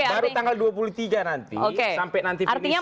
baru tanggal dua puluh tiga nanti sampai nanti finish